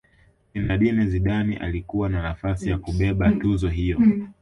zinedine zidane alikuwa na nafasi ya kubeba tuzo hiyo